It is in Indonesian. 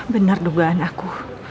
bener dugaan aku